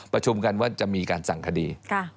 ประชุมกันว่าจะมีการสั่งคดี